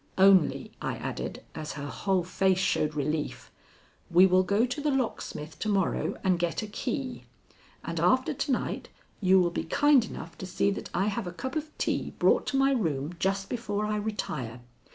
"Only," I added, as her whole face showed relief, "we will go to the locksmith to morrow and get a key; and after to night you will be kind enough to see that I have a cup of tea brought to my room just before I retire.